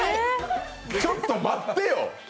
ちょっと待ってよ。